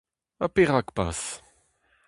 Ha perak pas ?